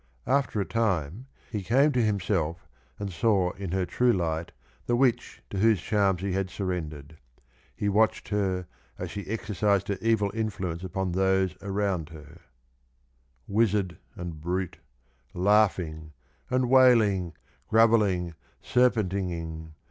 After a time he came to himself and saw in her true light the witch to whose charms he had sur rendered. He watched her as she e.xercised her evil influence upon those around her — Wizard and brute, Laughing, and wailing, grovelling, serpentining.